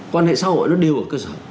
quan hệ xã hội nó đều ở cơ sở